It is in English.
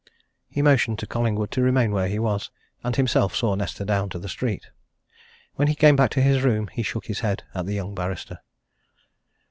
He motioned Collingwood to remain where he was, and himself saw Nesta down to the street. When he came back to his room he shook his head at the young barrister.